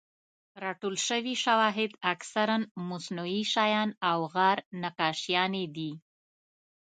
راټول شوي شواهد اکثراً مصنوعي شیان او غار نقاشیانې دي.